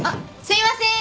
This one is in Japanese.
すいません。